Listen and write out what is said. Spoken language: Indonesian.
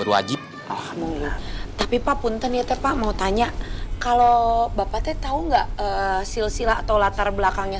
berwajib tapi pak pun tenyata pak mau tanya kalau bapaknya tahu enggak silsila atau latar belakangnya